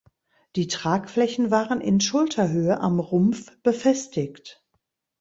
Die Tragflächen waren in Schulterhöhe am Rumpf befestigt.